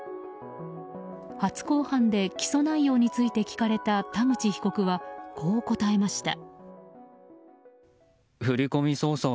初公判で起訴内容について聞かれた田口被告はこう答えました。